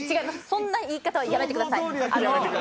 そんな言い方はやめてください。